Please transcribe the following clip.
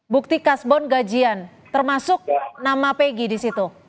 bukti kasbon gajian termasuk nama pegi di situ